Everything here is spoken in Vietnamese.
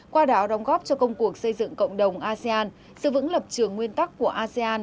qua đó đóng góp cho công cuộc xây dựng cộng đồng asean sự vững lập trường nguyên tắc của asean